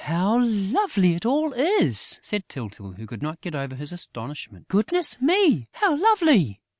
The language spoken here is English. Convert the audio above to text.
"How lovely it all is!" said Tyltyl, who could not get over his astonishment. "Goodness me, how lovely!...